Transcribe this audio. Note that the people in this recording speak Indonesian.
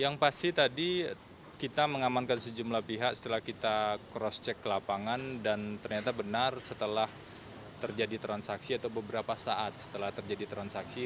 yang pasti tadi kita mengamankan sejumlah pihak setelah kita cross check ke lapangan dan ternyata benar setelah terjadi transaksi atau beberapa saat setelah terjadi transaksi